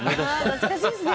懐かしいですね。